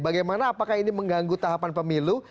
bagaimana apakah ini mengganggu tahapan pemilu